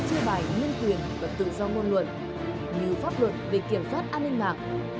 chư bài nguyên quyền và tự do ngôn luận như pháp luật về kiểm soát an ninh mạng